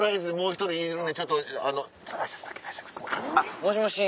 もしもし。